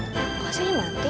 kok aslinya mati